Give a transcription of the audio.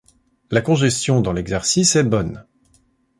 La congestion dans l'exercice est bonne.